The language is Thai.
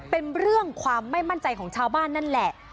เป็นเรื่องความไม่มั่นใจของชาวบ้านนั่นแหละ